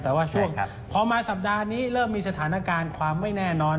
แต่ว่าช่วงพอมาสัปดาห์นี้เริ่มมีสถานการณ์ความไม่แน่นอน